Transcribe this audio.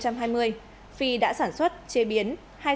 phi đã sản xuất chế biến